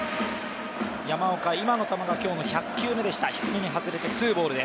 山岡、今の球が今日の１００球目でした。